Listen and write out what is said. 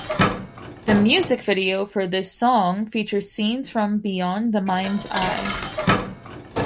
The music video for this song features scenes from "Beyond the Mind's Eye".